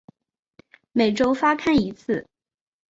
每周发刊一次。